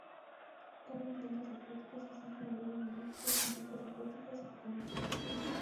Comen plantas acuáticas, así como algunos moluscos, insectos acuáticos y pequeños peces.